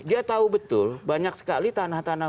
dia tahu betul banyak sekali tanah tanah